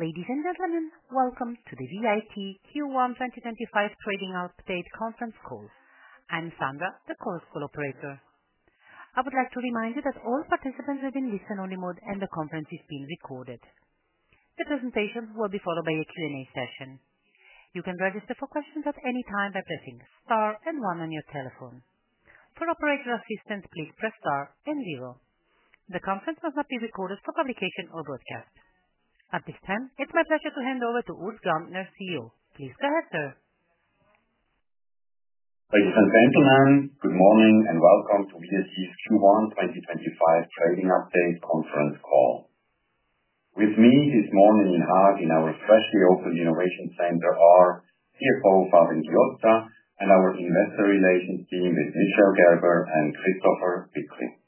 Ladies and gentlemen, welcome to the VAT Q1 2025 Trading Update Conference Call. I'm Sandra, the call's operator. I would like to remind you that all participants are in listen-only mode and the conference is being recorded. The presentation will be followed by a Q&A session. You can register for questions at any time by pressing star and one on your telephone. For operator assistance, please press star and zero. The conference must not be recorded for publication or broadcast. At this time, it's my pleasure to hand over to Urs Gantner, CEO. Please go ahead, sir. Ladies and gentlemen, good morning and welcome to VAT's Q1 2025 Trading Update Conference Call. With me this morning in Hague, in our freshly opened Innovation Center, are CFO Fabian Chiozza and our investor relations team with Michel Gerber and Christopher Bickley.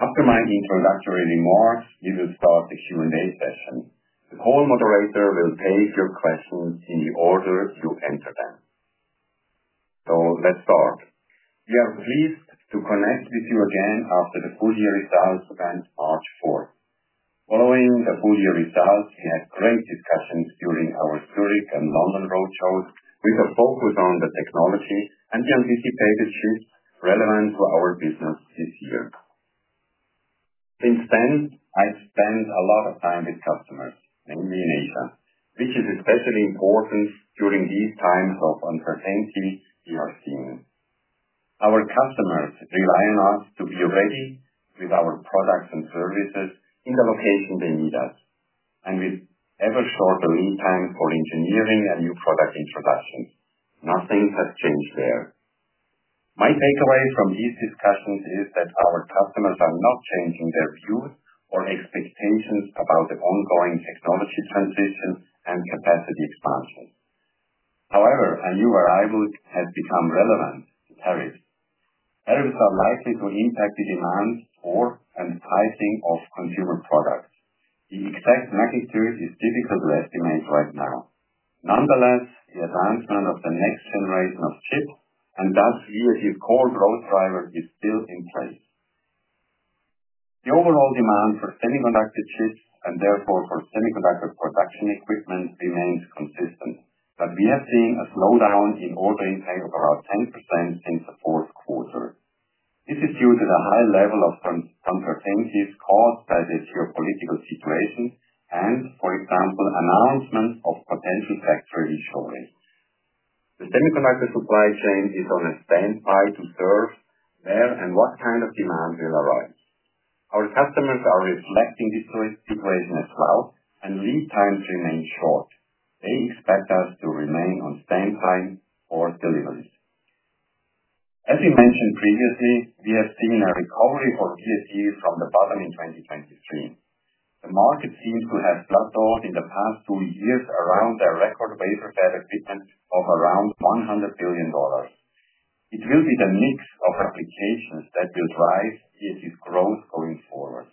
After my introductory remarks, we will start the Q&A session. The call moderator will take your questions in the order you enter them. Let's start. We are pleased to connect with you again after the full year results event, March 4th. Following the full year results, we had great discussions during our Zurich and London roadshows with a focus on the technology and the anticipated shifts relevant to our business this year. Since then, I've spent a lot of time with customers, mainly in Asia, which is especially important during these times of uncertainty in our scene. Our customers rely on us to be ready with our products and services in the location they need us, and with ever shorter lead times for engineering and new product introductions. Nothing has changed there. My takeaway from these discussions is that our customers are not changing their views or expectations about the ongoing technology transition and capacity expansion. However, a new arrival has become relevant: tariffs. Tariffs are likely to impact the demand for and pricing of consumer products. The exact magnitude is difficult to estimate right now. Nonetheless, the advancement of the next generation of chips, and thus VAT's core growth driver, is still in place. The overall demand for semiconductor chips and therefore for semiconductor production equipment remains consistent, but we have seen a slowdown in order intake of around 10% since the Q4. This is due to the high level of uncertainties caused by the geopolitical situation and, for example, announcements of potential factory reshoring. The semiconductor supply chain is on a standby to serve where and what kind of demand will arise. Our customers are reflecting this situation as well, and lead times remain short. They expect us to remain on standby for deliveries. As we mentioned previously, we have seen a recovery for VAT from the bottom in 2023. The market seems to have plateaued in the past two years around a record wafer fab equipment of around $100 billion. It will be the mix of applications that will drive VAT's growth going forward.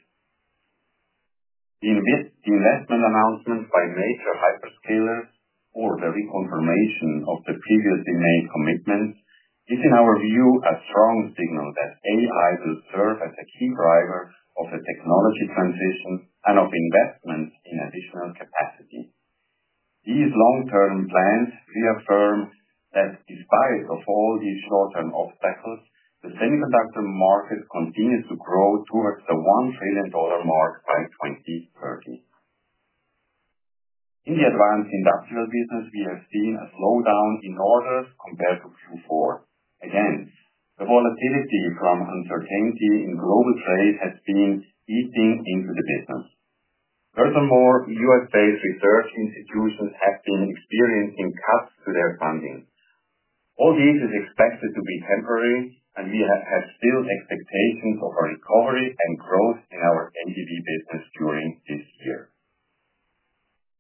The investment announcements by major hyperscalers for the reconfirmation of the previously made commitments is, in our view, a strong signal that AI will serve as a key driver of the technology transition and of investments in additional capacity. These long-term plans reaffirm that despite all these short-term obstacles, the semiconductor market continues to grow towards the $1 trillion mark by 2030. In the advanced industrial business, we have seen a slowdown in orders compared to Q4. Again, the volatility from uncertainty in global trade has been eating into the business. Furthermore, U.S.-based research institutions have been experiencing cuts to their funding. All this is expected to be temporary, and we have still expectations of a recovery and growth in our ADV business during this year.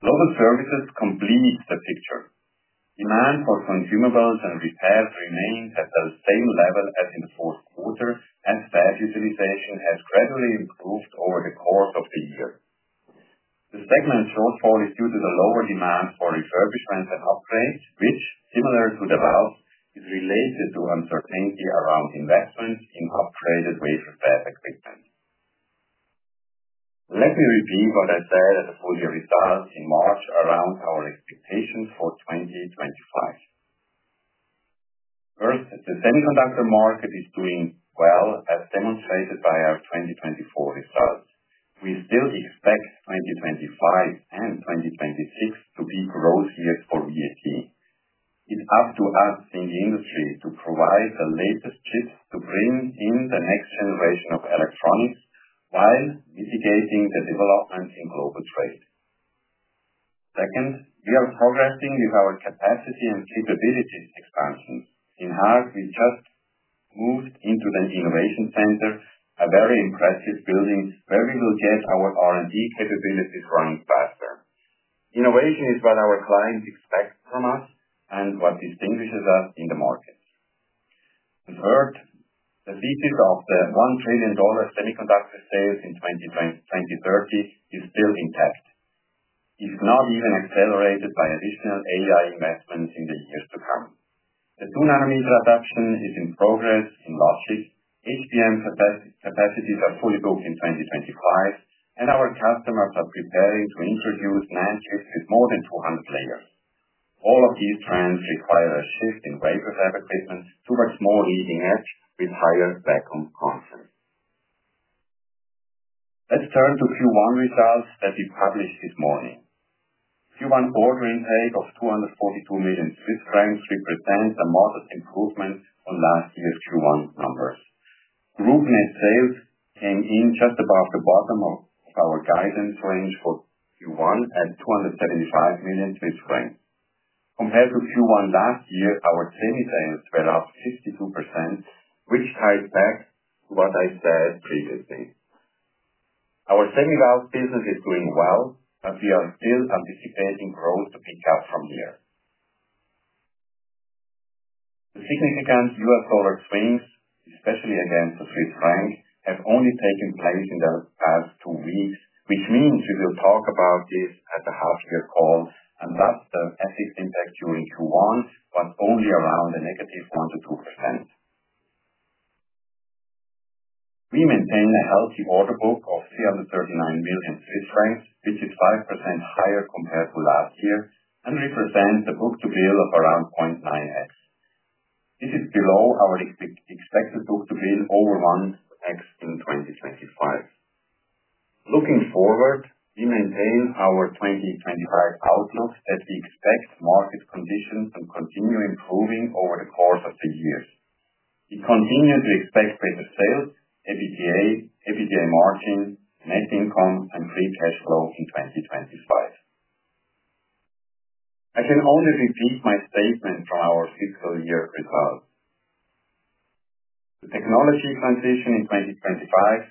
Global services complete the picture. Demand for consumables and repairs remains at the same level as in the Q4, as fab utilization has gradually improved over the course of the year. The segment shortfall is due to the lower demand for refurbishments and upgrades, which, similar to the VAT, is related to uncertainty around investments in upgraded wafer fab equipment. Let me repeat what I said at the full year results in March around our expectations for 2025. First, the semiconductor market is doing well, as demonstrated by our 2024 results. We still expect 2025 and 2026 to be growth years for VAT. It's up to us in the industry to provide the latest chips to bring in the next generation of electronics while mitigating the developments in global trade. Second, we are progressing with our capacity and capabilities expansions. In Hague, we just moved into the Innovation Center, a very impressive building where we will get our R&D capabilities running faster. Innovation is what our clients expect from us and what distinguishes us in the market. The third, the thesis of the $1 trillion semiconductor sales in 2030 is still intact. It's not even accelerated by additional AI investments in the years to come. The two nanometer adoption is in progress in logic. HBM capacities are fully booked in 2025, and our customers are preparing to introduce NAND chips with more than 200 layers. All of these trends require a shift in wafer fab equipment towards more leading edge with higher vacuum content. Let's turn to Q1 results that we published this morning. Q1 order intake of 242 million Swiss francs represents a modest improvement on last year's Q1 numbers. Group net sales came in just above the bottom of our guidance range for Q1 at 275 million. Compared to Q1 last year, our semi sales were up 52%, which ties back to what I said previously. Our semi VAT business is doing well, but we are still anticipating growth to pick up from here. The significant U.S. dollar swings, especially against the Swiss franc, have only taken place in the past two weeks, which means we will talk about this at the half-year call, and thus the FX impact during Q1 was only around a negative 1%-2%. We maintain a healthy order book of 339 million Swiss francs, which is 5% higher compared to last year and represents the book to bill of around 0.9x. This is below our expected book to bill over 1x in 2025. Looking forward, we maintain our 2025 outlook that we expect market conditions to continue improving over the course of the years. We continue to expect better sales, EBITDA, EBITDA margin, net income, and free cash flow in 2025. I can only repeat my statement from our fiscal year results. The technology transition in 2025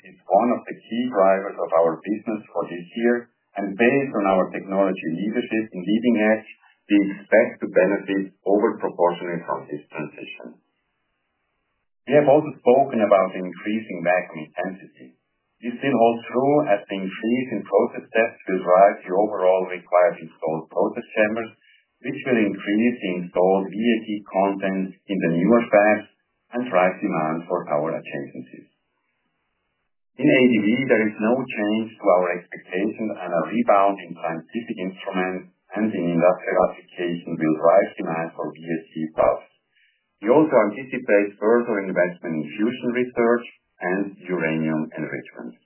is one of the key drivers of our business for this year, and based on our technology leadership in leading edge, we expect to benefit overproportionally from this transition. We have also spoken about increasing vacuum intensity. We still hold true as the increase in process depth will drive the overall required installed process chambers, which will increase the installed VAT content in the newer fabs and drive demand for our adjacencies. In ADV, there is no change to our expectations, and a rebound in scientific instruments and in industrial application will drive demand for VAT products. We also anticipate further investment in fusion research and uranium enrichment.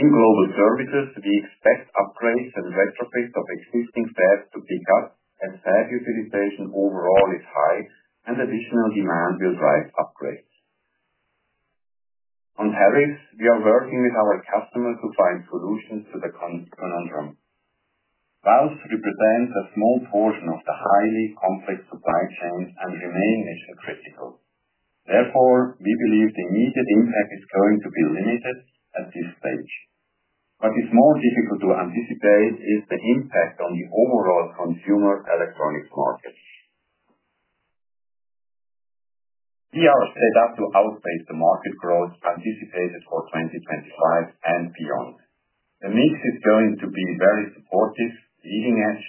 In global services, we expect upgrades and retrofits of existing fabs to pick up as fab utilization overall is high, and additional demand will drive upgrades. On tariffs, we are working with our customers to find solutions to the conundrum. VAT represents a small portion of the highly complex supply chain and remains mission-critical. Therefore, we believe the immediate impact is going to be limited at this stage. What is more difficult to anticipate is the impact on the overall consumer electronics market. We are set up to outpace the market growth anticipated for 2025 and beyond. The mix is going to be very supportive, leading edge,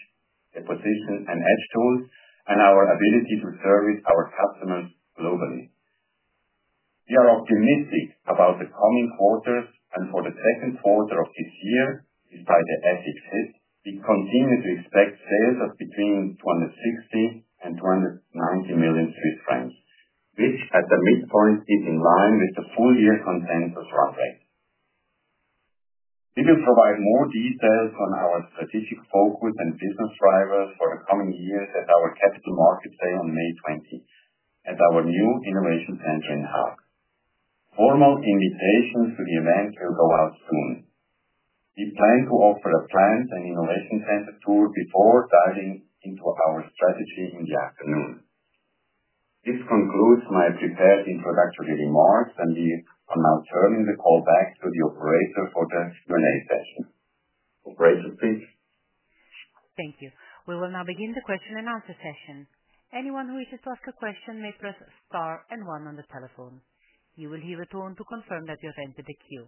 deposition and edge tools, and our ability to service our customers globally. We are optimistic about the coming quarters, and for the second quarter of this year, despite the FX hit, we continue to expect sales of between 260 million and 290 million Swiss francs, which at the midpoint is in line with the full year consensus run rate. We will provide more details on our strategic focus and business drivers for the coming years at our capital markets day on May 20 at our new Innovation Center in Hague. Formal invitations to the event will go out soon. We plan to offer a plant and innovation center tour before diving into our strategy in the afternoon. This concludes my prepared introductory remarks, and we are now turning the call back to the operator for the Q&A session. Operator, please. Thank you. We will now begin the question and answer session. Anyone who wishes to ask a question may press star and one on the telephone. You will hear a tone to confirm that you have entered the queue.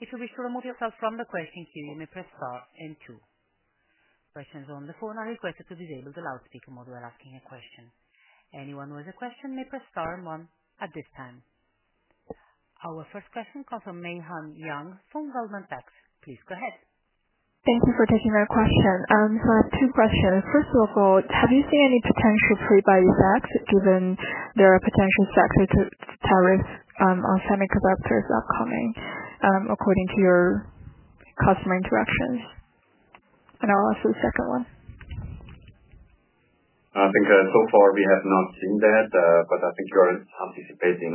If you wish to remove yourself from the question queue, you may press star and two. Questions on the phone are requested to disable the loudspeaker mode while asking a question. Anyone who has a question may press star and one at this time. Our first question comes from Mayhan Young, from Goldman Sachs. Please go ahead. Thank you for taking that question. I have two questions. First of all, have you seen any potential pre-buy effects given there are potential sector tariffs on semiconductors upcoming according to your customer interactions? I'll ask the second one. I think so far we have not seen that, but I think you are anticipating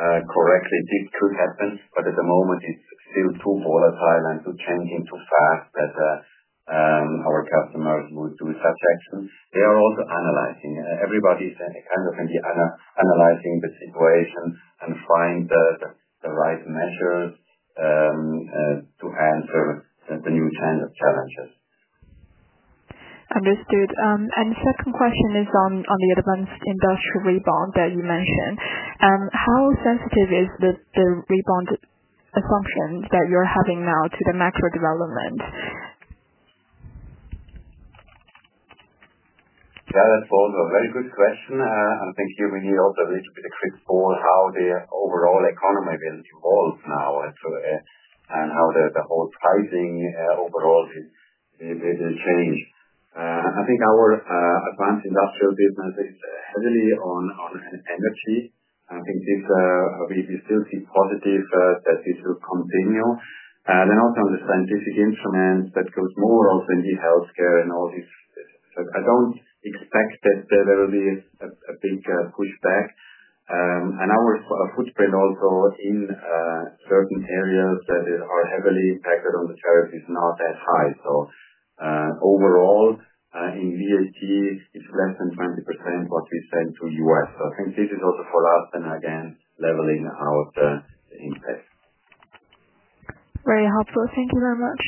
correctly. This could happen, but at the moment it is still too volatile and changing too fast that our customers would do such actions. They are also analyzing. Everybody is kind of analyzing the situation and finding the right measures to answer the new challenges. Understood. The second question is on the advanced industrial rebound that you mentioned. How sensitive is the rebound assumption that you're having now to the macro development? Yeah, that's also a very good question. I think here we need also a little bit of a quick poll on how the overall economy will evolve now and how the whole pricing overall will change. I think our advanced industrial business is heavily on energy. I think we still see positives that this will continue. Also on the scientific instruments that goes more also in the healthcare and all this. I do not expect that there will be a big pushback. Our footprint also in certain areas that are heavily impacted on the tariff is not that high. Overall in VAT, it is less than 20% what we send to the U.S. I think this is also for us, again, leveling out the impact. Very helpful. Thank you very much.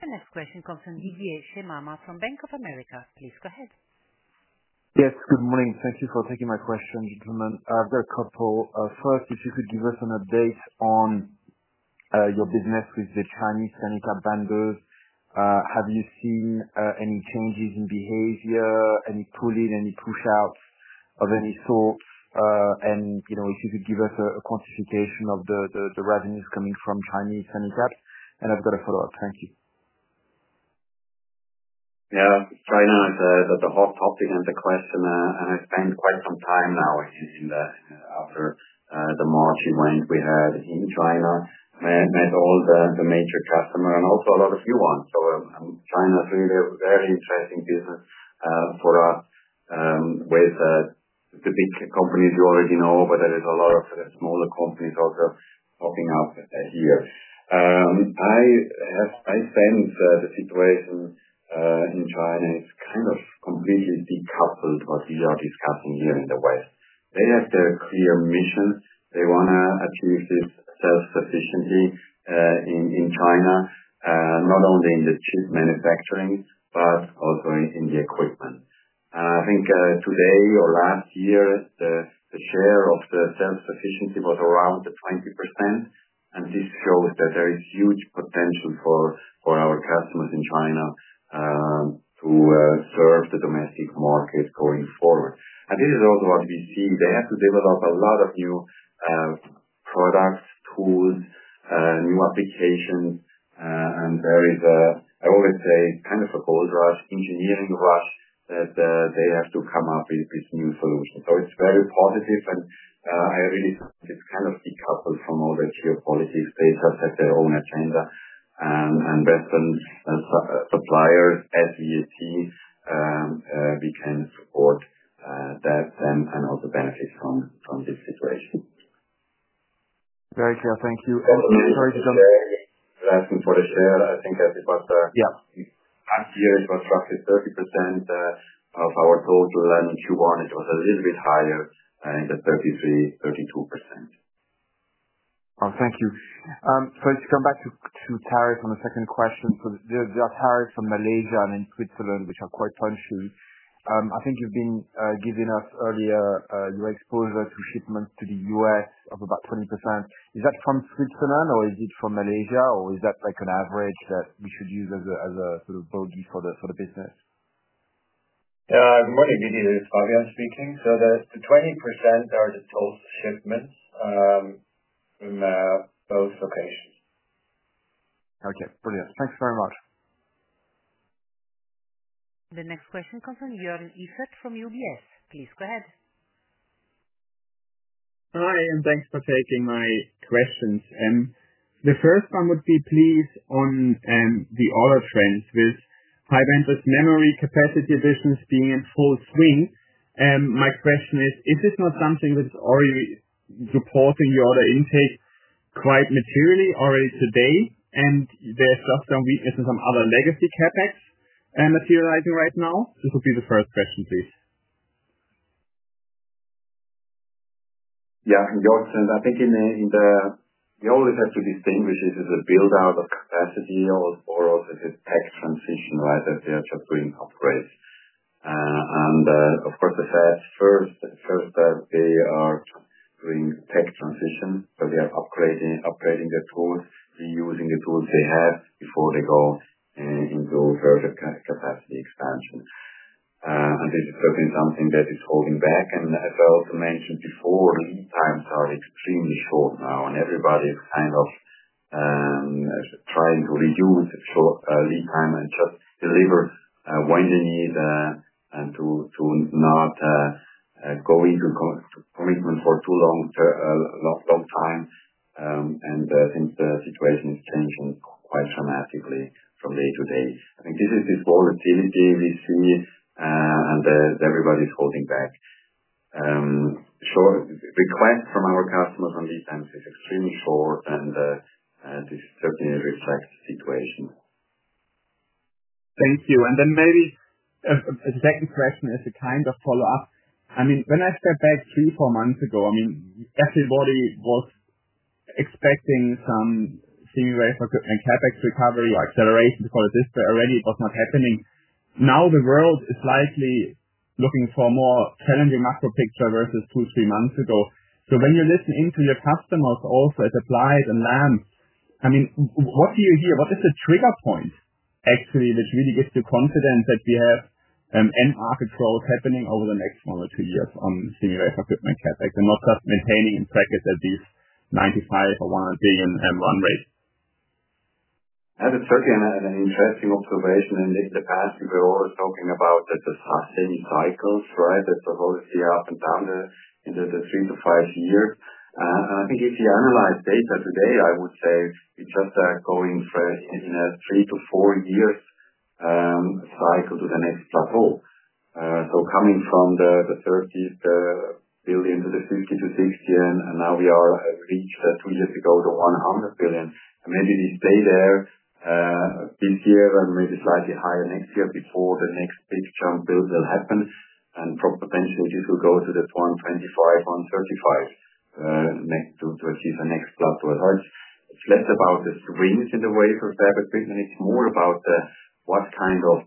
The next question comes from Didier Scemama from Bank of America. Please go ahead. Yes, good morning. Thank you for taking my question, gentlemen. I've got a couple. First, if you could give us an update on your business with the Chinese semi-cab vendors. Have you seen any changes in behavior, any pulling, any push-outs of any sort? If you could give us a quantification of the revenues coming from Chinese semi-cabs. I've got a follow-up. Thank you. Yeah, China is the hot topic and the question, and I spent quite some time now after the March event we had in China met all the major customers and also a lot of new ones. China is really a very interesting business for us with the big companies you already know, but there are a lot of smaller companies also popping up here. I sense the situation in China is kind of completely decoupled what we are discussing here in the West. They have their clear mission. They want to achieve this self-sufficiency in China, not only in the chip manufacturing but also in the equipment. I think today or last year, the share of the self-sufficiency was around 20%, and this shows that there is huge potential for our customers in China to serve the domestic market going forward. This is also what we see. They have to develop a lot of new products, tools, new applications, and there is, I always say, kind of a gold rush, engineering rush, that they have to come up with new solutions. It is very positive, and I really think it is kind of decoupled from all the geopolitics. They just have their own agenda, and Western suppliers as VAT, we can support that and also benefit from this situation. Very clear. Thank you. Sorry, did you want to? I'm sorry for the share. I think it was last year, it was roughly 30% of our total, and Q1 it was a little bit higher in the 33%-32% range. Thank you. To come back to tariff on the second question, there are tariffs on Malaysia and in Switzerland, which are quite punchy. I think you've been giving us earlier your exposure to shipments to the U.S. of about 20%. Is that from Switzerland, or is it from Malaysia, or is that an average that we should use as a sort of bogey for the business? Good morning, Didier. It's Fabian speaking. The 20% are the total shipments from both locations. Okay. Brilliant. Thanks very much. The next question comes from Joern Iffert from UBS. Please go ahead. Hi, and thanks for taking my questions. The first one would be please on the order trends with high bandwidth memory capacity additions being in full swing. My question is, is this not something that is already supporting your order intake quite materially already today, and there's just some weakness in some other legacy CapEx materializing right now? This would be the first question, please. Yeah, in your sense. I think we always have to distinguish if it's a build-out of capacity or also if it's tech transition, right, that they are just doing upgrades. Of course, the first step, they are doing tech transition, so they are upgrading the tools, reusing the tools they have before they go into further capacity expansion. This is certainly something that is holding back. As I also mentioned before, lead times are extremely short now, and everybody is kind of trying to reduce lead time and just deliver when they need and to not go into commitment for too long, long time. Since the situation is changing quite dramatically from day to day, I think this is this volatility we see, and everybody's holding back. Requests from our customers on lead times is extremely short, and this certainly reflects the situation. Thank you. Maybe a second question as a kind of follow-up. I mean, when I step back three, four months ago, everybody was expecting some semi-wave equipment CapEx recovery or acceleration, to call it this, but already it was not happening. Now the world is likely looking for a more challenging macro picture versus two, three months ago. When you listen into your customers also at Applied and Lam, what do you hear? What is the trigger point actually which really gives you confidence that we have end market growth happening over the next one or two years on semi-wave equipment CapEx and not just maintaining in practice at this $95 billion or $100 billion run rate? Yeah, that's certainly an interesting observation. In the past, we were always talking about the fast semi cycles, right, that the whole is here up and down in the three to five years. I think if you analyze data today, I would say we just are going in a three to four years cycle to the next plateau. Coming from the $30 billion to the $50 billion-$60 billion, and now we reached two years ago to $100 billion. Maybe we stay there this year and maybe slightly higher next year before the next big jump will happen. Potentially this will go to the $125 billion-$135 billion to achieve the next plateau. It is less about the swings in the wafer fab equipment. It is more about what kind of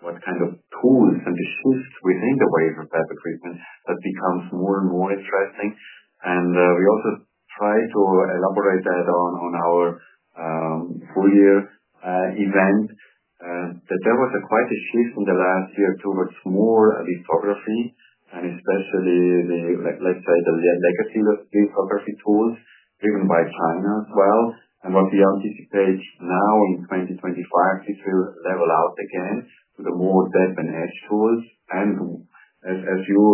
tools and the shifts within the wafer fab equipment that becomes more and more interesting. We also try to elaborate that on our full year event, that there was quite a shift in the last year towards more lithography, and especially, let's say, the legacy lithography tools driven by China as well. What we anticipate now in 2025, this will level out again to the more depth and edge tools. As you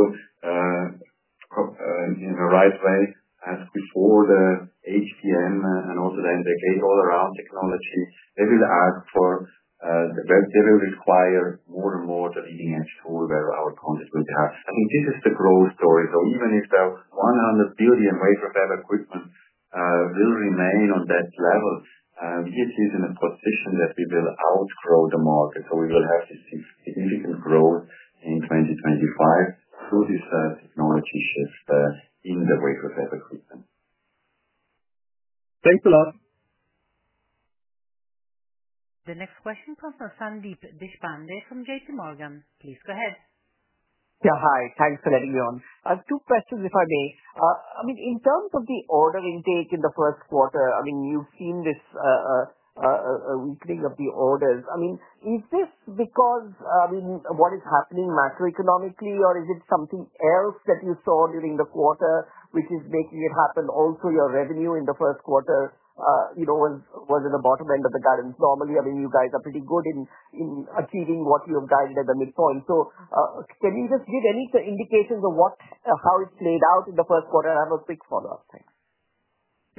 in the right way asked before, the HBM and also the Gate-All-Around technology, they will require more and more the leading edge tool where our content will be at. I think this is the growth story. Even if the $100 billion wafer fab equipment will remain on that level, we are still in a position that we will outgrow the market. We will have this significant growth in 2025 through this technology shift in the wafer fab equipment. Thanks a lot. The next question comes from Sandeep Deshpande from JP Morgan. Please go ahead. Yeah, hi. Thanks for letting me on. Two questions, if I may. I mean, in terms of the order intake in the first quarter, I mean, you've seen this weakening of the orders. I mean, is this because what is happening macroeconomically, or is it something else that you saw during the quarter which is making it happen? Also, your revenue in the first quarter was in the bottom end of the garden. Normally, I mean, you guys are pretty good in achieving what you have guided at the midpoint. Can you just give any indications of how it played out in the first quarter? I have a quick follow-up. Thanks.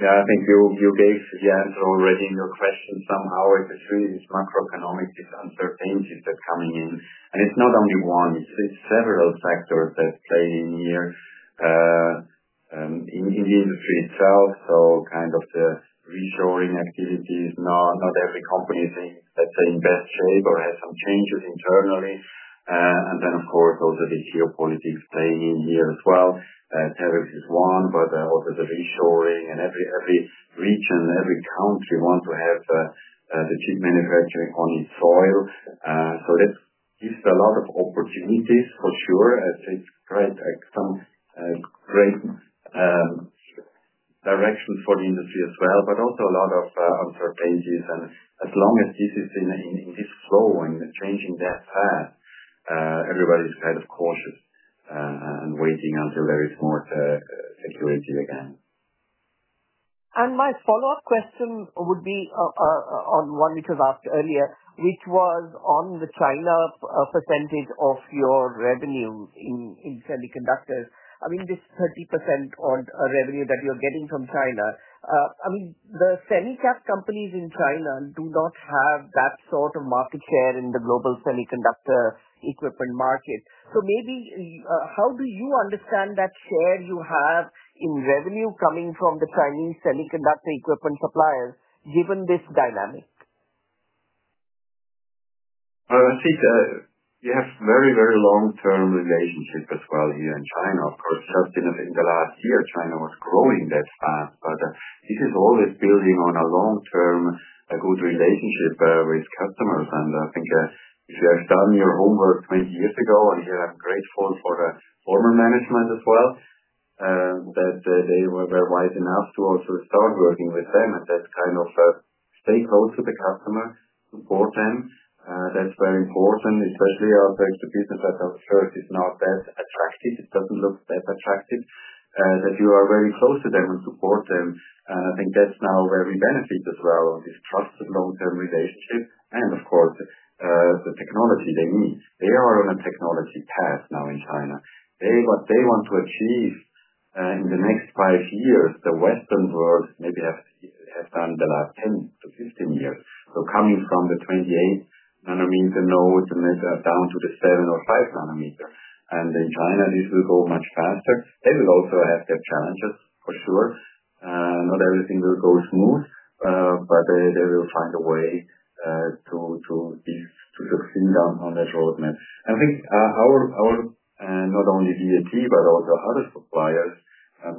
Yeah, I think you gave the answer already in your question. Somehow, it is really this macroeconomic, this uncertainty that's coming in. It is not only one. It is several factors that play in here in the industry itself. Kind of the reshoring activities, not every company is in, let's say, in best shape or has some changes internally. Of course, also the geopolitics playing in here as well. Tariffs is one, but also the reshoring and every region, every country wants to have the chip manufacturing on its soil. That gives a lot of opportunities for sure. It is quite some great directions for the industry as well, but also a lot of uncertainties. As long as this is in this flow and changing that fast, everybody's kind of cautious and waiting until there is more security again. My follow-up question would be on one we could have asked earlier, which was on the China percentage of your revenue in semiconductors. I mean, this 30% revenue that you're getting from China, I mean, the semi-cap companies in China do not have that sort of market share in the global semiconductor equipment market. Maybe how do you understand that share you have in revenue coming from the Chinese semiconductor equipment suppliers given this dynamic? I think you have very, very long-term relationship as well here in China. Of course, just in the last year, China was growing that fast, but this is always building on a long-term good relationship with customers. I think if you have done your homework 20 years ago, and here I'm grateful for the former management as well, that they were wise enough to also start working with them and that kind of stay close to the customer, support them. That's very important, especially as the business at the first is not that attractive. It doesn't look that attractive that you are very close to them and support them. I think that's now where we benefit as well on this trusted long-term relationship. Of course, the technology they need. They are on a technology path now in China. What they want to achieve in the next five years, the Western world maybe have done in the last 10 to 15 years. Coming from the 28-nanometer nodes and then down to the 7 or 5-nanometer. In China, this will go much faster. They will also have their challenges for sure. Not everything will go smooth, but they will find a way to sort of thin down on that roadmap. I think not only VAT, but also other suppliers,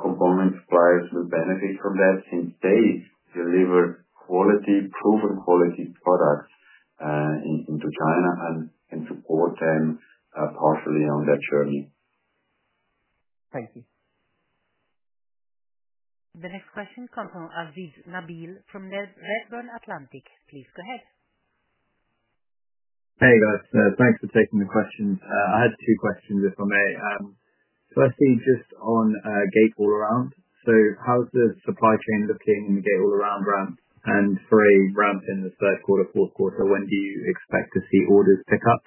component suppliers will benefit from that since they deliver quality, proven quality products into China and support them partially on that journey. Thank you. The next question comes from Nabil Aziz from Redburn Atlantic. Please go ahead. Hey, guys. Thanks for taking the questions. I had two questions, if I may. Firstly, just on Gate All Around. How's the supply chain looking in the Gate All Around ramp? For a ramp in the Q3, Q4, when do you expect to see orders pick up?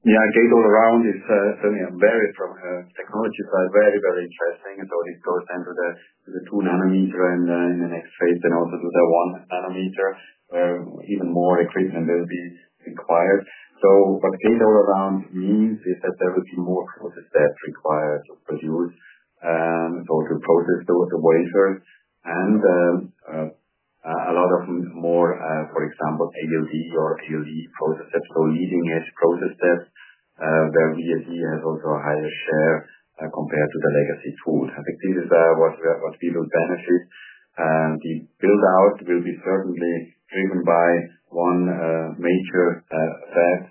Thanks. Yeah, Gate All Around is certainly a very technology side very, very interesting. This goes into the 2-nanometer and in the next phase then also to the 1-nanometer where even more equipment will be required. What Gate All Around means is that there will be more process steps required to produce, to process the wafers, and a lot of more, for example, ALD or ALE process steps, leading edge process steps where VAT has also a higher share compared to the legacy tools. I think this is what we will benefit. The build-out will be certainly driven by one major fact,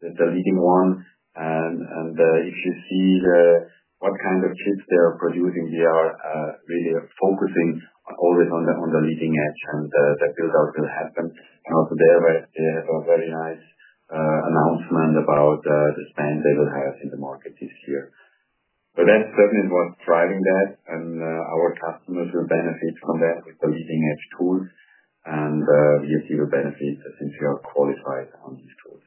the leading one. If you see what kind of chips they are producing, we are really focusing always on the leading edge, and that build-out will happen. There they have a very nice announcement about the spend they will have in the market this year. That is certainly what is driving that, and our customers will benefit from that with the leading edge tools, and VAT will benefit since we are qualified on these tools.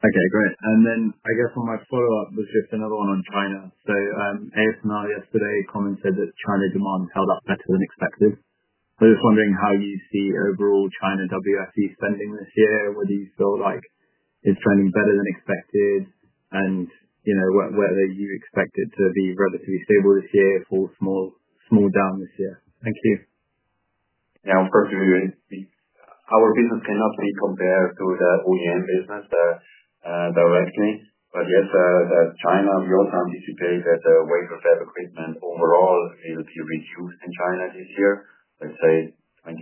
Okay, great. I guess my follow-up was just another one on China. ASML yesterday commented that China demand held up better than expected. I was just wondering how you see overall China WFE spending this year, whether you feel like it's trending better than expected, and whether you expect it to be relatively stable this year, fall small down this year. Thank you. Yeah, of course, our business cannot be compared to the OEM business directly. Yes, China, we also anticipate that the wafer fab equipment overall will be reduced in China this year, let's say 20%,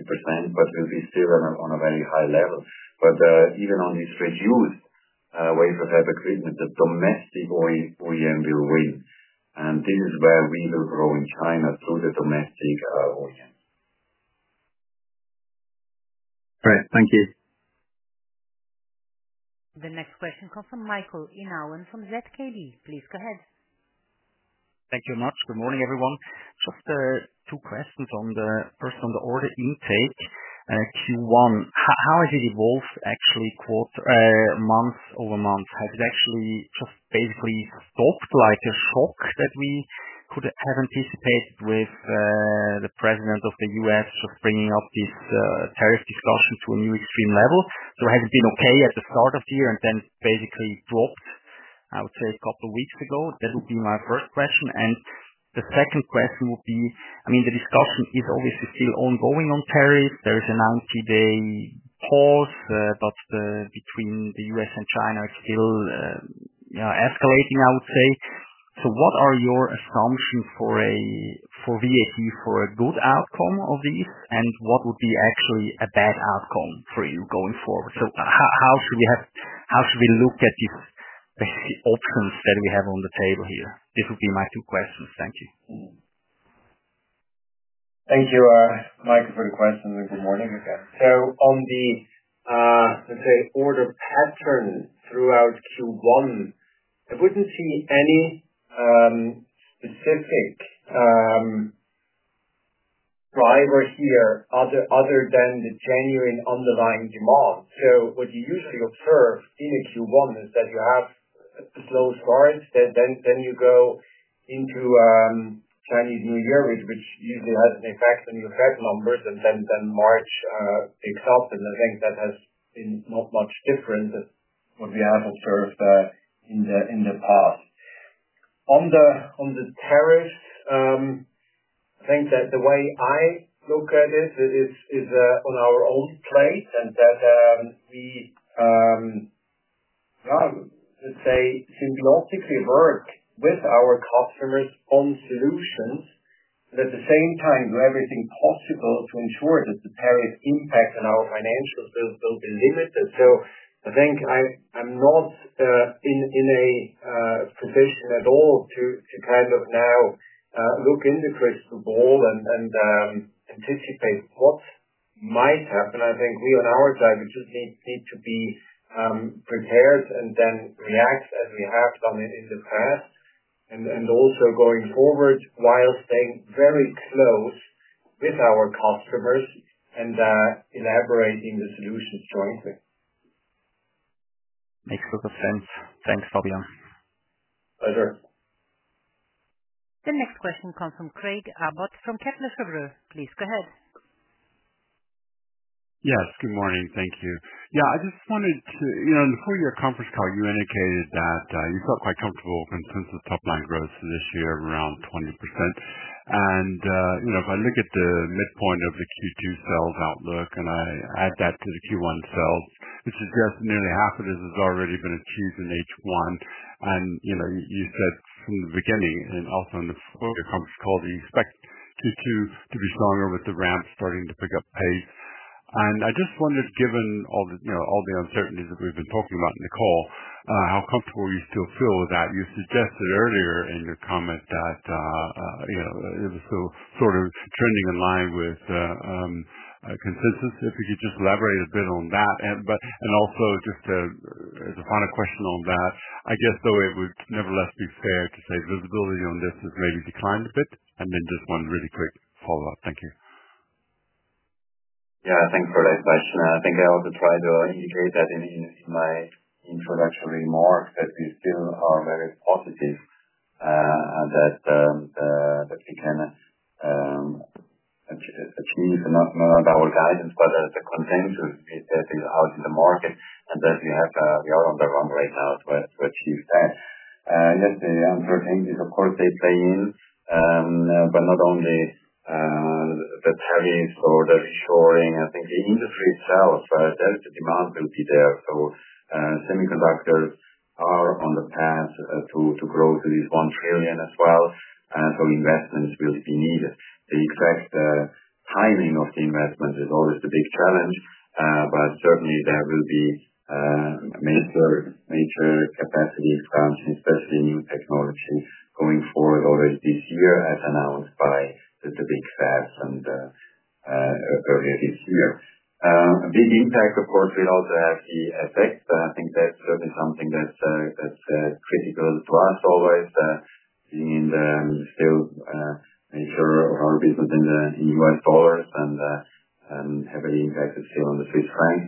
but will be still on a very high level. Even on this reduced wafer fab equipment, the domestic OEM will win. This is where we will grow in China through the domestic OEM. Great. Thank you. The next question comes from Michael Inauen from ZKB. Please go ahead. Thank you very much. Good morning, everyone. Just two questions. First on the order intake Q1. How has it evolved actually month over month? Has it actually just basically stopped like a shock that we could have anticipated with the President of the U.S. just bringing up this tariff discussion to a new extreme level? Has it been okay at the start of the year and then basically dropped, I would say, a couple of weeks ago? That would be my first question. The second question would be, I mean, the discussion is obviously still ongoing on tariffs. There is a 90-day pause, but between the U.S. and China it is still escalating, I would say. What are your assumptions for VAT for a good outcome of these, and what would be actually a bad outcome for you going forward? How should we look at these options that we have on the table here? This would be my two questions. Thank you. Thank you, Michael, for the questions, and good morning again. On the, let's say, order pattern throughout Q1, I wouldn't see any specific driver here other than the genuine underlying demand. What you usually observe in a Q1 is that you have a slow start, you go into Chinese New Year, which usually has an effect on your Fed numbers, and March picks up. I think that has been not much different than what we have observed in the past. On the tariffs, the way I look at it is on our own plate and that we, let's say, symbiotically work with our customers on solutions and at the same time do everything possible to ensure that the tariff impact on our financials will be limited. I think I'm not in a position at all to kind of now look in the crystal ball and anticipate what might happen. I think we on our side just need to be prepared and then react as we have done in the past and also going forward while staying very close with our customers and elaborating the solutions jointly. Makes a lot of sense. Thanks, Fabian. Pleasure. The next question comes from Craig Abbott from Kepler Cheuvreux. Please go ahead. Yes, good morning. Thank you. Yeah, I just wanted to, in the four-year conference call, you indicated that you felt quite comfortable with consensus top-line growth this year of around 20%. If I look at the midpoint of the Q2 sales outlook and I add that to the Q1 sales, it suggests nearly half of this has already been achieved in H1. You said from the beginning and also in the four-year conference call, you expect Q2 to be stronger with the ramp starting to pick up pace. I just wondered, given all the uncertainties that we've been talking about in the call, how comfortable you still feel with that? You suggested earlier in your comment that it was sort of trending in line with consensus. If you could just elaborate a bit on that. It would nevertheless be fair to say visibility on this has maybe declined a bit. Just one really quick follow-up. Thank you. Yeah, thanks for that question. I think I also tried to indicate that in my introductory remarks that we still are very positive that we can achieve not our guidance, but the consensus is that it's out in the market and that we are on the run right now to achieve that. Yes, the uncertainties, of course, they play in, but not only the tariffs or the reshoring. I think the industry itself, there is a demand will be there. Semiconductors are on the path to grow to this $1 trillion as well. Investment will be needed. The exact timing of the investment is always the big challenge, but certainly there will be major capacity expansion, especially new technology going forward already this year as announced by the big FAS and earlier this year. A big impact, of course, will also have the effect. I think that's certainly something that's critical to us always being in the still major of our business in U.S. dollars and heavily impacted still on the Swiss franc.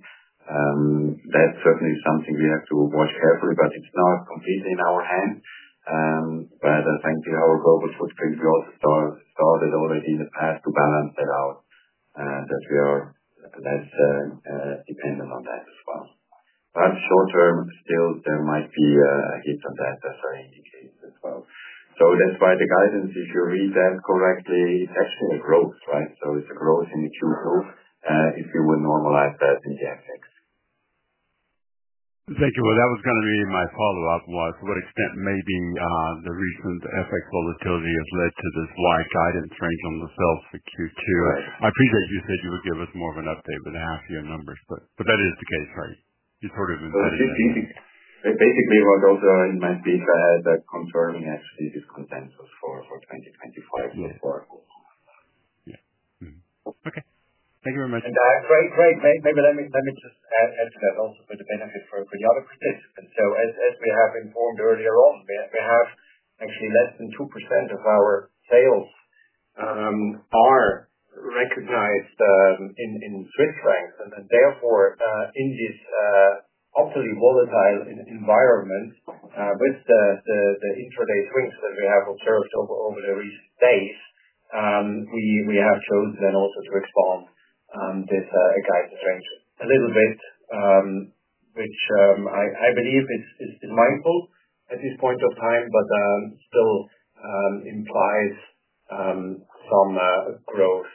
That's certainly something we have to watch carefully, but it's not completely in our hands. Thanks to our global footprint, we also started already in the past to balance that out that we are less dependent on that as well. Short term, still there might be a hit on that as I indicated as well. That's why the guidance, if you read that correctly, it's actually a growth, right? It's a growth in the Q2 if you would normalize that in the FX. Thank you. That was going to be my follow-up, to what extent maybe the recent FX volatility has led to this wide guidance range on the sales for Q2. I appreciate you said you would give us more of an update with the half-year numbers, but that is the case, right? You sort of implied it. Basically, what also might be that confirming actually this consensus for 2025 so far. Yeah. Okay. Thank you very much. Craig, maybe let me just add to that also for the benefit for the other participants. As we have informed earlier on, we have actually less than 2% of our sales are recognized in CHF. Therefore, in this utterly volatile environment with the intraday swings that we have observed over the recent days, we have chosen then also to expand this guidance range a little bit, which I believe is mindful at this point of time, but still implies some growth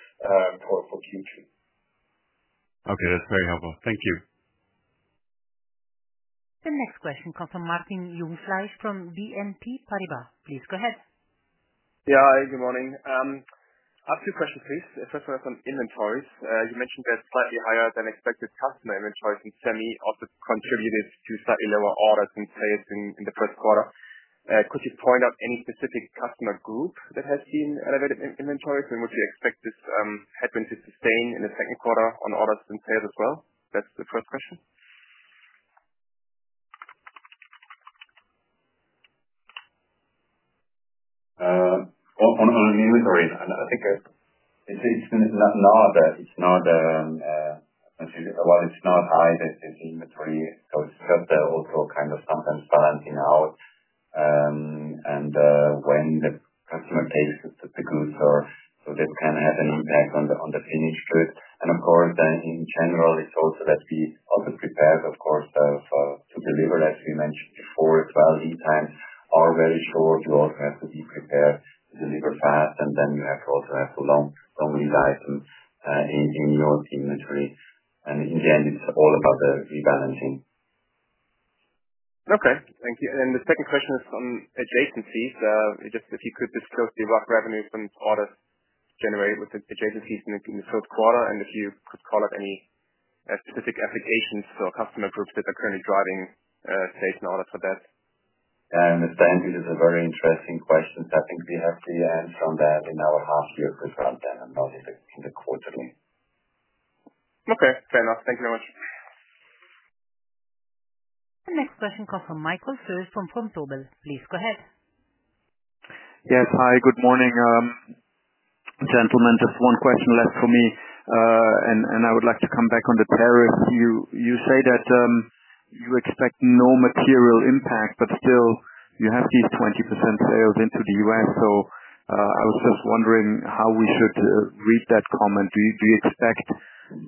for Q2. Okay, that's very helpful. Thank you. The next question comes from Martin Jungfleisch from BNP Paribas. Please go ahead. Yeah, good morning. I have two questions, please. First, I have some inventories. You mentioned that slightly higher than expected customer inventories and semi also contributed to slightly lower orders and sales in the first quarter. Could you point out any specific customer group that has seen elevated inventories and would you expect this headwind to sustain in the second quarter on orders and sales as well? That's the first question. On inventory, I think it's not that it's not high, that the inventory goes just also kind of sometimes balancing out. When the customer takes the goods, this can have an impact on the finished good. Of course, in general, it's also that we also prepare, of course, to deliver, as we mentioned before, as well lead times are very short. You also have to be prepared to deliver fast, and then you also have to have long lead items in your inventory. In the end, it's all about the rebalancing. Okay. Thank you. The second question is on adjacencies. Just if you could disclose the rough revenues and orders generated with adjacencies in the Q3, and if you could call out any specific applications or customer groups that are currently driving sales and orders for that. Stanley, this is a very interesting question. I think we have the answer on that in our half-year quarter and not in the quarterly. Okay. Fair enough. Thank you very much. The next question comes from Michael Seus from Von Tobel. Please go ahead. Yes, hi. Good morning, gentlemen. Just one question left for me, and I would like to come back on the tariffs. You say that you expect no material impact, but still you have these 20% sales into the U.S. I was just wondering how we should read that comment. Do you expect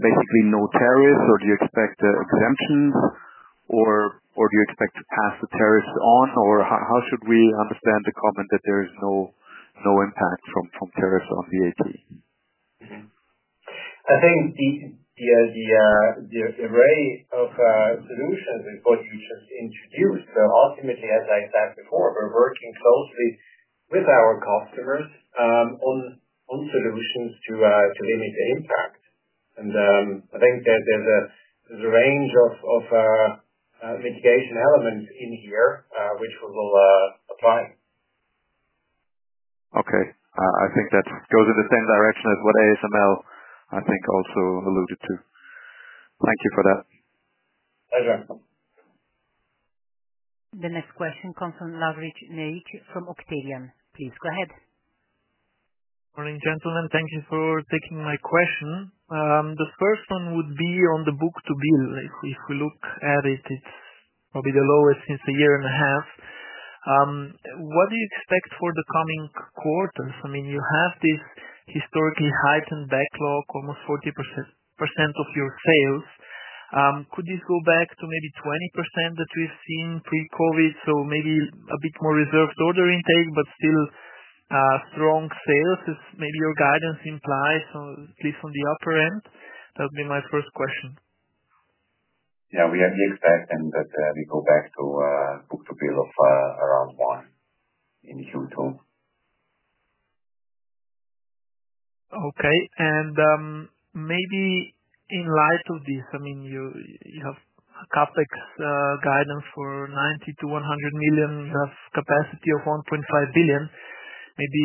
basically no tariffs, do you expect exemptions, or do you expect to pass the tariffs on? How should we understand the comment that there is no impact from tariffs on VAT? I think the array of solutions is what you just introduced. Ultimately, as I said before, we're working closely with our customers on solutions to limit the impact. I think there's a range of mitigation elements in here which we will apply. Okay. I think that goes in the same direction as what ASML, I think, also alluded to. Thank you for that. Pleasure. The next question comes from Laveridge Nate from Octavian. Please go ahead. Morning, gentlemen. Thank you for taking my question. The first one would be on the book to bill. If we look at it, it's probably the lowest since a year and a half. What do you expect for the coming quarters? I mean, you have this historically heightened backlog, almost 40% of your sales. Could this go back to maybe 20% that we've seen pre-COVID? Maybe a bit more reserved order intake, but still strong sales, as maybe your guidance implies, at least on the upper end? That would be my first question. Yeah, we expect that we go back to book to bill of around 1 in Q2. Okay. Maybe in light of this, I mean, you have a CapEx guidance for 90 million-100 million of capacity of 1.5 billion. Maybe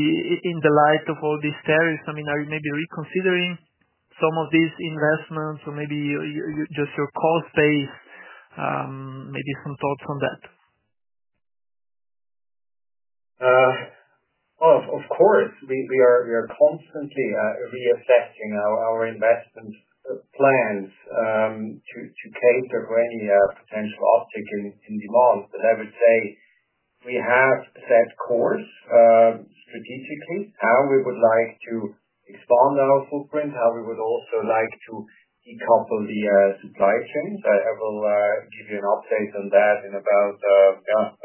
in the light of all these tariffs, I mean, are you maybe reconsidering some of these investments or maybe just your cost base, maybe some thoughts on that? Of course. We are constantly reassessing our investment plans to cater for any potential uptick in demand. I would say we have set course strategically how we would like to expand our footprint, how we would also like to decouple the supply chains. I will give you an update on that in about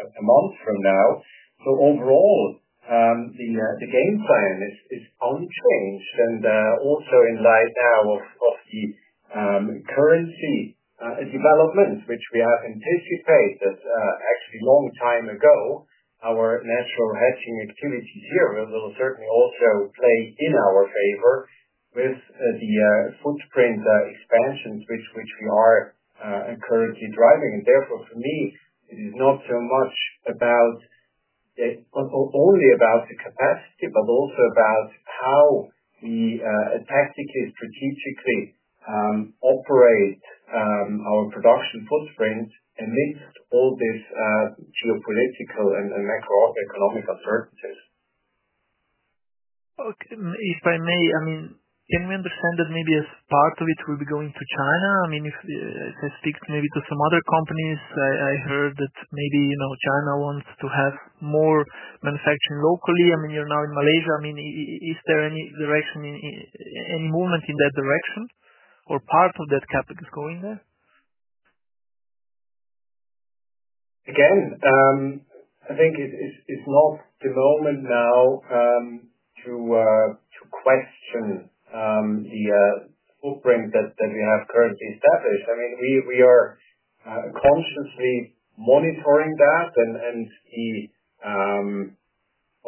a month from now. Overall, the game plan is unchanged. Also in light now of the currency development, which we have anticipated actually a long time ago, our natural hedging activities here will certainly also play in our favor with the footprint expansions which we are currently driving. Therefore, for me, it is not so much only about the capacity, but also about how we tactically, strategically operate our production footprint amidst all this geopolitical and macroeconomic uncertainties. Okay. If I may, I mean, can we understand that maybe part of it will be going to China? I mean, if I speak maybe to some other companies, I heard that maybe China wants to have more manufacturing locally. I mean, you're now in Malaysia. I mean, is there any direction, any movement in that direction or part of that CapEx going there? Again, I think it's not the moment now to question the footprint that we have currently established. I mean, we are consciously monitoring that. The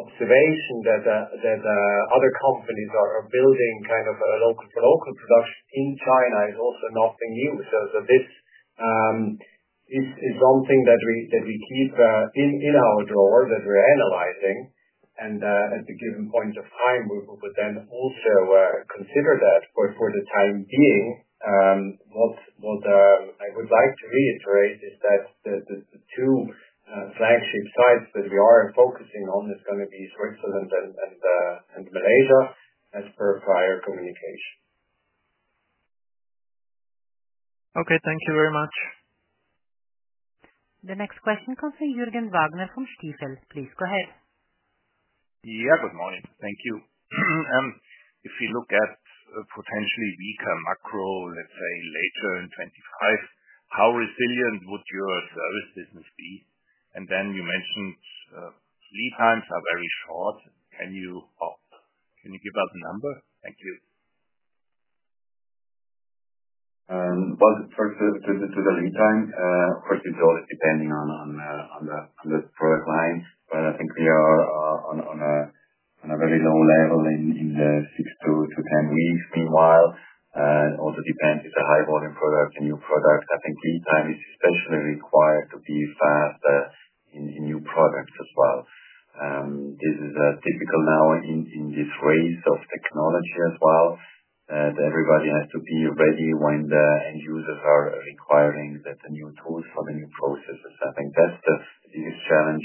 observation that other companies are building kind of local production in China is also nothing new. This is something that we keep in our drawer that we're analyzing. At the given point of time, we would then also consider that. For the time being, what I would like to reiterate is that the two flagship sites that we are focusing on are going to be Switzerland and Malaysia, as per prior communication. Okay. Thank you very much. The next question comes from Jürgen Wagner from Stifel. Please go ahead. Yeah, good morning. Thank you. If you look at potentially weaker macro, let's say later in 2025, how resilient would your service business be? You mentioned lead times are very short. Can you give us a number? Thank you. First, to the lead time, of course, it's always depending on the product line. I think we are on a very low level in the 6-10 weeks. Meanwhile, it also depends if it's a high-volume product, a new product. I think lead time is especially required to be fast in new products as well. This is typical now in this race of technology as well that everybody has to be ready when the end users are requiring the new tools for the new processes. I think that's the biggest challenge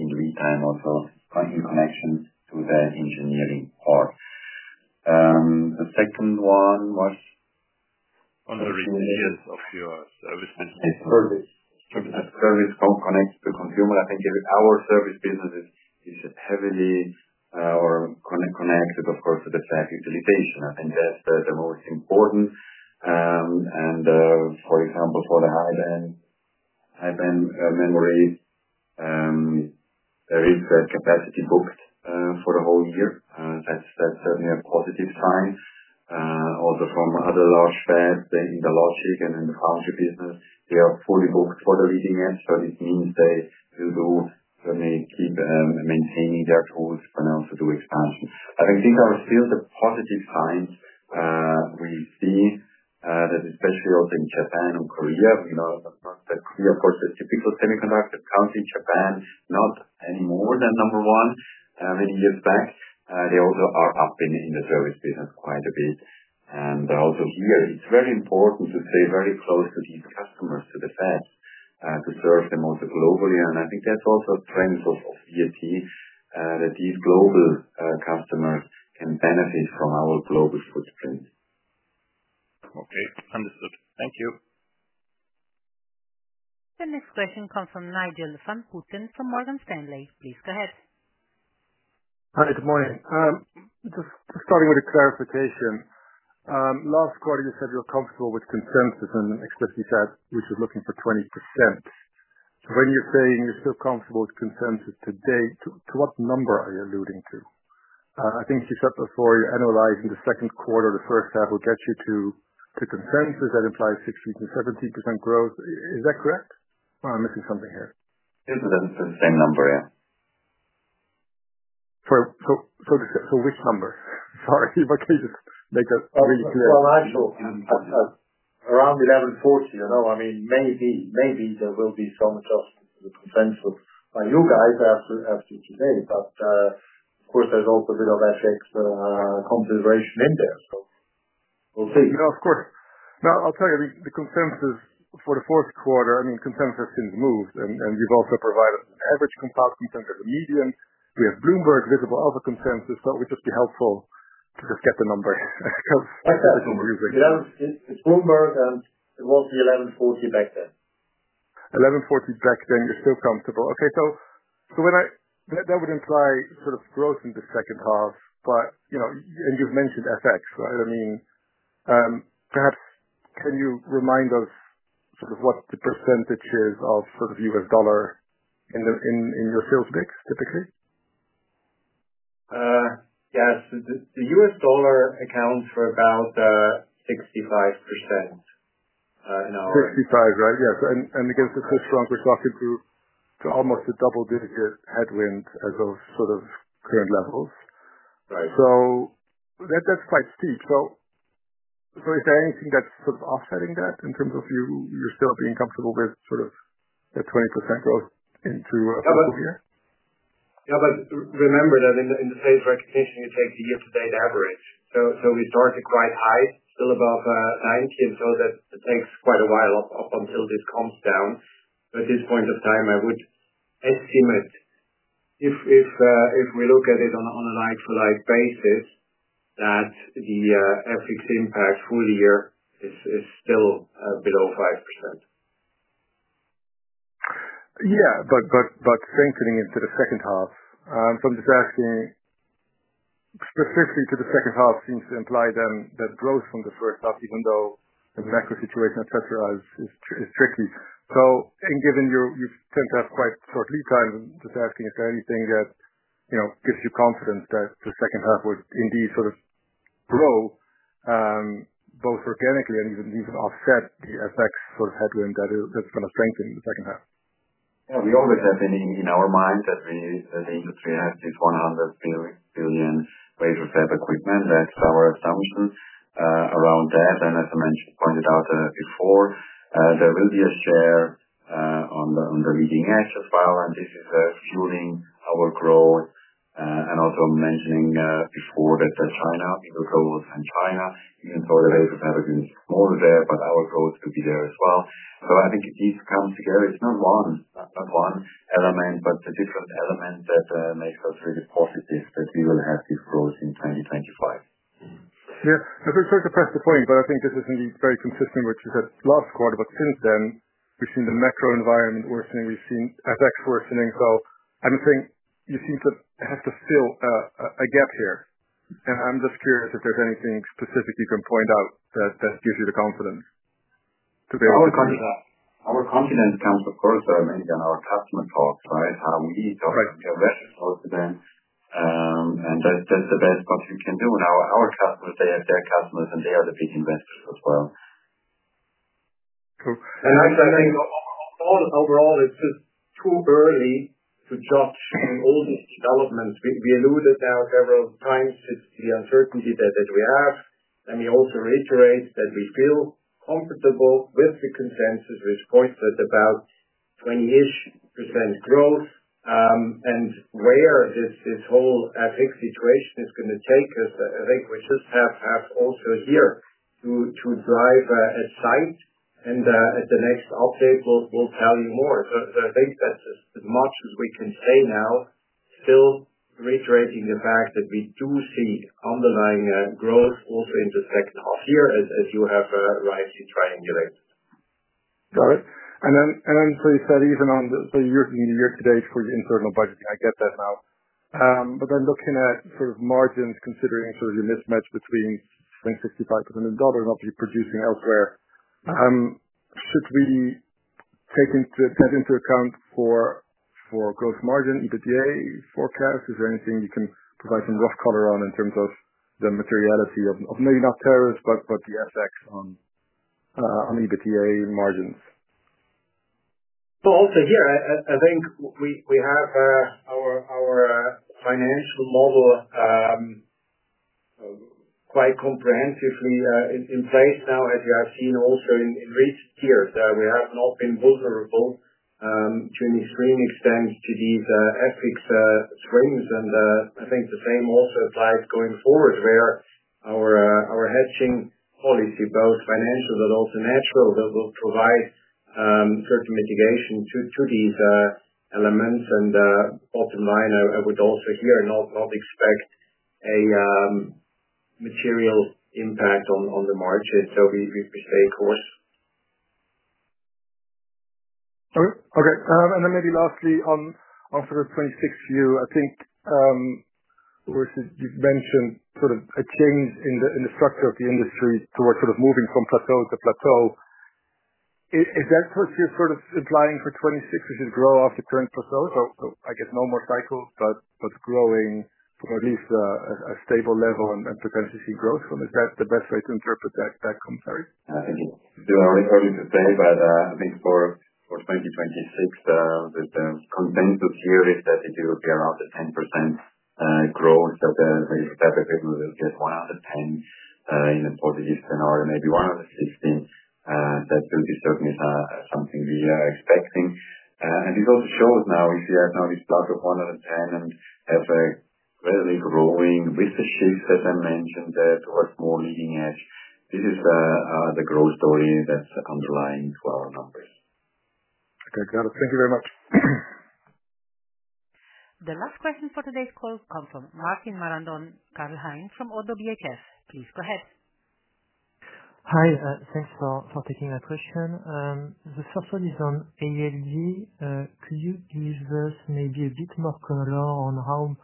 in lead time also in connection to the engineering part. The second one was. On the resilience of your service business. Service connects to consumer. I think our service business is heavily connected, of course, to the flat utilization. I think that's the most important. For example, for the high-band memory, there is capacity booked for the whole year. That's certainly a positive sign. Also from other large fabs in the logic and in the foundry business, they are fully booked for the leading edge. This means they will certainly keep maintaining their tools and also do expansion. I think these are still the positive signs we see, especially also in Japan and Korea. We know that Korea, of course, is a typical semiconductor country. Japan not any more the number one many years back. They also are up in the service business quite a bit. Here, it's very important to stay very close to these customers, to the fabs, to serve them also globally. I think that's also a strength of VAT, that these global customers can benefit from our global footprint. Okay. Understood. Thank you. The next question comes from Nigel van Putten from Morgan Stanley. Please go ahead. Good morning. Just starting with a clarification. Last quarter, you said you're comfortable with consensus and explicitly said which is looking for 20%. When you're saying you're still comfortable with consensus today, to what number are you alluding to? I think you said before you analyzed in the second quarter, the first half will get you to consensus that implies 16-17% growth. Is that correct? I'm missing something here. It's the same number, yeah. Which number? Sorry, but can you just make that really clear? I'm sure around 1,140. I mean, maybe there will be some adjustment to the consensus by you guys as of today. Of course, there's also a bit of FX consideration in there. We'll see. Yeah, of course. Now, I'll tell you, the consensus for the Q4, I mean, consensus has since moved. And you've also provided an average compiled consensus, a median. We have Bloomberg visible as a consensus. It would just be helpful to just get the number because it's super using. It's Bloomberg, and it was the 1140 back then. 1140 back then. You're still comfortable. Okay. That would imply sort of growth in the second half. You've mentioned FX, right? I mean, perhaps can you remind us sort of what the percentage is of sort of U.S. dollar in your sales mix, typically? Yes. The U.S. dollar accounts for about 65% in our. 65, right? Yes. It is a strong consumption group to almost a double-digit headwind as of current levels. That is quite steep. Is there anything that is offsetting that in terms of you still being comfortable with that 20% growth into October here? Yeah, but remember that in the sales recognition, you take the year-to-date average. We started quite high, still above 90. That takes quite a while up until this comes down. At this point of time, I would estimate, if we look at it on a like-for-like basis, that the FX impact full year is still below 5%. Yeah, but strengthening into the second half. I'm just asking, specifically to the second half seems to imply then that growth from the first half, even though the macro situation, etc., is tricky. Given you tend to have quite short lead times, I'm just asking, is there anything that gives you confidence that the second half would indeed sort of grow both organically and even offset the FX sort of headwind that's going to strengthen the second half? Yeah. We always have in our mind that the industry has this $100 billion wafer fab equipment. That's our assumption around that. As I mentioned, pointed out before, there will be a share on the leading edge as well. This is fueling our growth. Also mentioning before that the China people growth and China, even though the wafer fab is more there, our growth will be there as well. I think these come together. It's not one element, but the different elements that make us really positive that we will have this growth in 2025. Yeah. It's hard to press the point, but I think this is indeed very consistent with what you said last quarter. Since then, we've seen the macro environment worsening. We've seen FX worsening. I'm saying you seem to have to fill a gap here. I'm just curious if there's anything specific you can point out that gives you the confidence to be able to. Our confidence comes, of course, mainly on our customer talks, right? How we talk to their reference also then. That is the best what we can do. Now, our customers, they have their customers, and they are the big investors as well. I think overall, it's just too early to judge all these developments. We alluded now several times to the uncertainty that we have. Let me also reiterate that we feel comfortable with the consensus, which points at about 20% growth. Where this whole FX situation is going to take us, I think we just have also here to drive a sight. At the next update, we'll tell you more. I think that's as much as we can say now, still reiterating the fact that we do see underlying growth also in the second half here, as you have rightly triangulated. Got it. You said even on the year-to-date for your internal budgeting, I get that now. Looking at sort of margins, considering your mismatch between spending 65% of the dollar and obviously producing elsewhere, should we take that into account for gross margin, EBITDA forecast? Is there anything you can provide some rough color on in terms of the materiality of maybe not tariffs, but the FX on EBITDA margins? I think we have our financial model quite comprehensively in place now, as you have seen also in recent years. We have not been vulnerable to an extreme extent to these FX swings. I think the same also applies going forward, where our hedging policy, both financial but also natural, will provide certain mitigation to these elements. Bottom line, I would also here not expect a material impact on the margin. We stay course. Okay. Maybe lastly, on sort of 2026, I think you've mentioned sort of a change in the structure of the industry towards sort of moving from plateau to plateau. Is that what you're sort of implying for 2026, which is grow after current plateau? I guess no more cycles, but growing from at least a stable level and potentially see growth. Is that the best way to interpret that commentary? I think it's relatively to say, but I think for 2026, the consensus here is that it will be around the 10% growth that the wafer fab equipment will get 110 in a positive scenario, maybe 115. That will be certainly something we are expecting. This also shows now, if you have now this plateau of 110 and have a readily growing with the shift, as I mentioned, towards more leading edge, this is the growth story that's underlying to our numbers. Okay. Got it. Thank you very much. The last question for today's call comes from Martin Marandon from Oddo BHF. Please go ahead. Hi. Thanks for taking my question. The first one is on ALD. Could you give us maybe a bit more color on how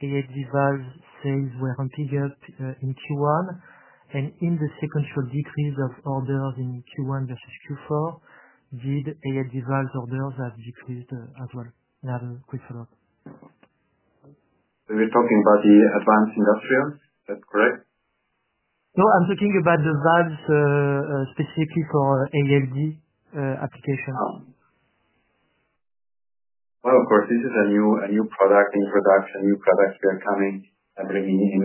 ALD valves sales were picked up in Q1? And in the sequential decrease of orders in Q1 versus Q4, did ALD valves orders have decreased as well? Another quick follow-up. We were talking about the advanced industrial. Is that correct? No, I'm talking about the valves specifically for ALD application. Of course, this is a new product in production, new products we are coming and bringing in.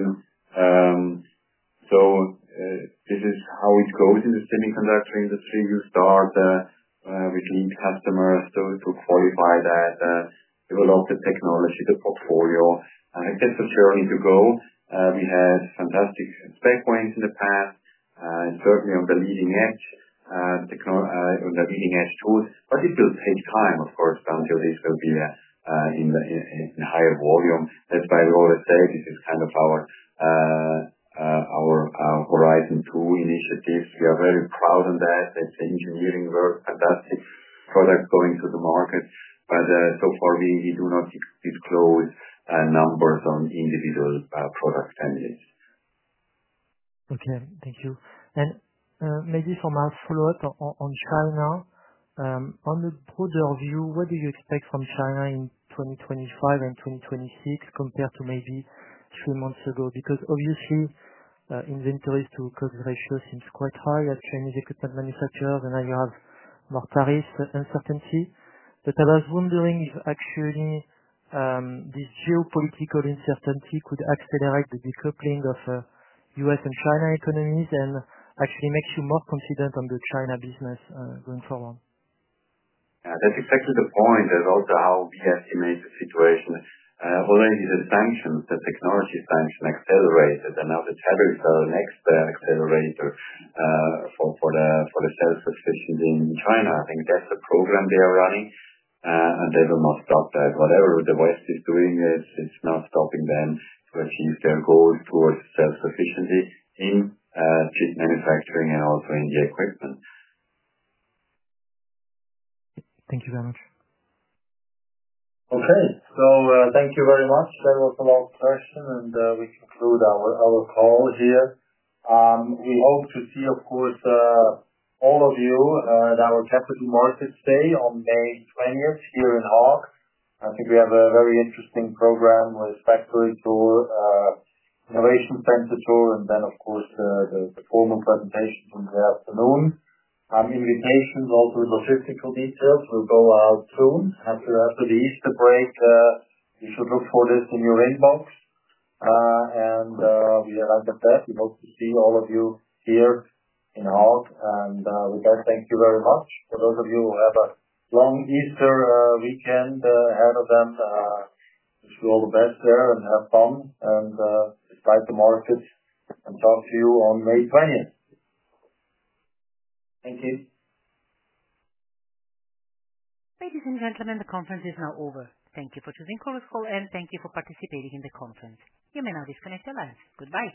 This is how it goes in the semiconductor industry. You start with lead customers to qualify that, develop the technology, the portfolio. It is a journey to go. We had fantastic spec points in the past, certainly on the leading edge, on the leading edge tools. It will take time, of course, until this will be in higher volume. That is why we always say this is kind of our horizon two initiatives. We are very proud on that. That is the engineering work, fantastic product going to the market. So far, we do not disclose numbers on individual product families. Okay. Thank you. Maybe for my follow-up on China, on the broader view, what do you expect from China in 2025 and 2026 compared to maybe three months ago? Obviously, inventories to cost ratio seems quite high at Chinese equipment manufacturers, and now you have more tariff uncertainty. I was wondering if actually this geopolitical uncertainty could accelerate the decoupling of U.S. and China economies and actually make you more confident on the China business going forward? Yeah. That's exactly the point. That's also how we estimate the situation. Already the sanctions, the technology sanction accelerated. Now the tariffs are the next accelerator for the self-sufficiency in China. I think that's a program they are running, and they will not stop that. Whatever the West is doing, it's not stopping them to achieve their goal towards self-sufficiency in chip manufacturing and also in the equipment. Thank you very much. Thank you very much. That was a long question, and we conclude our call here. We hope to see, of course, all of you at our Capital Markets Day on May 20 here in Hague. I think we have a very interesting program with factory tour, innovation center tour, and then, of course, the formal presentation from the afternoon. Invitations also with logistical details will go out soon. After the Easter break, you should look for this in your inbox. We are right at that. We hope to see all of you here in Hague. With that, thank you very much. For those of you who have a long Easter weekend ahead of them, wish you all the best there and have fun. It is time to market and talk to you on May 20th. Thank you. Ladies and gentlemen, the conference is now over. Thank you for choosing Chorus Call, and thank you for participating in the conference. You may now disconnect your lines. Goodbye.